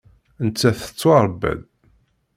Nettat tettwaṛebba-d.